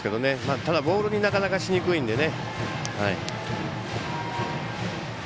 ただ、ボールになかなかしにくいんでね。